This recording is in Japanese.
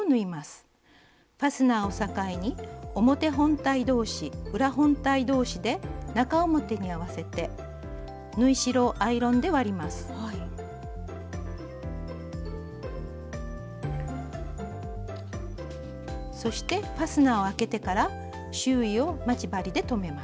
ファスナーを境に表本体同士裏本体同士で中表に合わせてそしてファスナーを開けてから周囲を待ち針で留めます。